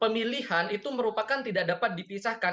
pemilihan itu merupakan tidak dapat dipisahkan